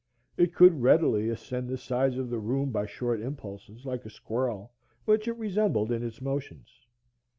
It could readily ascend the sides of the room by short impulses, like a squirrel, which it resembled in its motions.